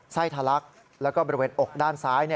ทะลักแล้วก็บริเวณอกด้านซ้าย